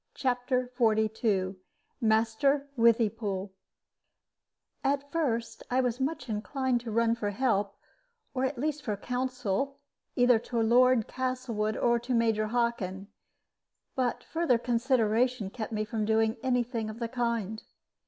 CHAPTER XLII MASTER WITHYPOOL At first I was much inclined to run for help, or at least for counsel, either to Lord Castlewood or to Major Hockin; but further consideration kept me from doing any thing of the kind.